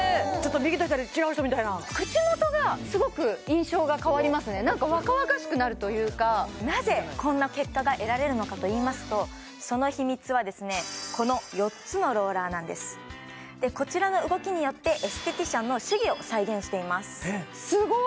右と左違う人みたいやな口元がすごく印象が変わりますねなんか若々しくなるというかなぜこんな結果が得られるのかといいますとその秘密はこのこちらの動きによってエステティシャンの手技を再現していますすごい！